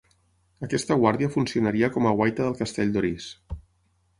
Aquesta guàrdia funcionaria com a guaita del castell d'Orís.